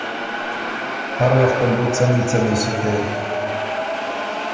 هر وختم بُو څمی څمی سُکې۔